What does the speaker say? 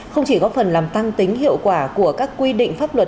không chỉ góp phần làm tăng tính hiệu quả của các quy định pháp luật